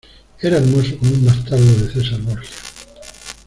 era hermoso como un bastardo de César Borgia.